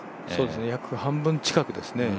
約半分近くですね。